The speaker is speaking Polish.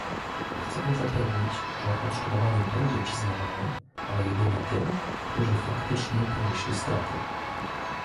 Chcemy zapewnić, że odszkodowanie będzie przyznawane, ale jedynie tym, którzy faktycznie ponieśli straty